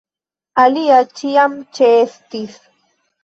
Alia ĉiam ĉeestis.